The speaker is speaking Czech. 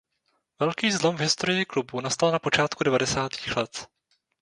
Velký zlom v historii klubu nastal na počátku devadesátých let.